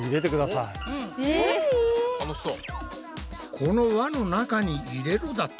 この輪の中に入れろだって？